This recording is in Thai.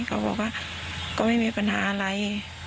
เขาบอกว่าก็ไม่มีปัญหาอะไร